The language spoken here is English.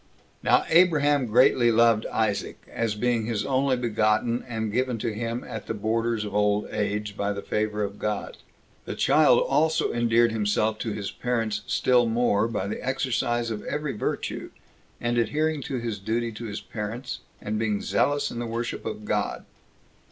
1. Now Abraham greatly loved Isaac, as being his only begotten 27 and given to him at the borders of old age, by the favor of God. The child also endeared himself to his parents still more, by the exercise of every virtue, and adhering to his duty to his parents, and being zealous in the worship of God.